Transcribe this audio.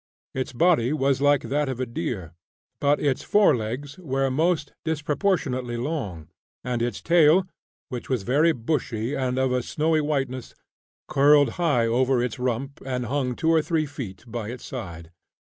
Its body was like that of a deer, but its forelegs were most disproportionately long, and its tail, which was very bushy and of a snowy whiteness, curled high over its rump and hung two or three feet by its side.